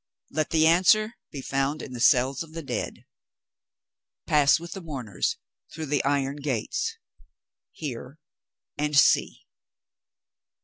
Let the answer be found in the cells of the dead. Pass, with the mourners, through the iron gates hear and see!